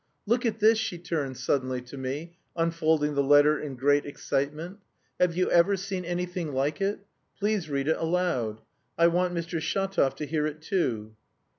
"Look at this," she turned suddenly to me, unfolding the letter in great excitement. "Have you ever seen anything like it. Please read it aloud. I want Mr. Shatov to hear it too."